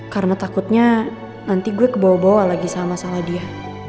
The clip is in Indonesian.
karena takutnya nanti gue kebawa bawa lagi sama salah dia